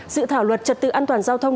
dự thảo luật trật tự an toàn giao thông